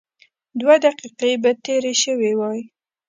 دوه دقيقې به تېرې شوې وای.